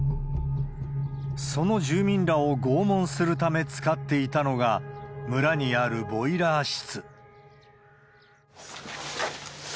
その住民らを拷問するため使っていたのが、村にあるボイラー室。